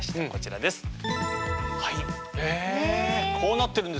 こちらです。